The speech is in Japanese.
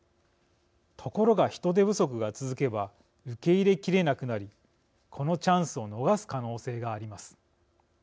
ところが、人手不足が続けば受け入れきれなくなりこのチャンスを逃す可能性があります。